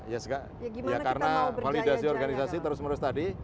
ya karena validasi organisasi terus menerus tadi